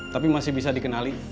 tapi masih bisa dikenali